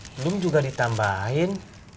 belum juga ditambahin